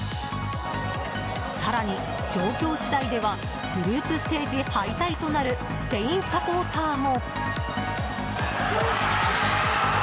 更に、状況次第ではグループステージ敗退となるスペインサポーターも。